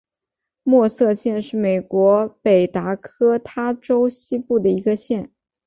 默瑟县是美国北达科他州西部的一个县。